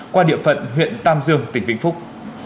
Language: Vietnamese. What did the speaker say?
qua địa phận huyện tam dương tỉnh vĩnh phúc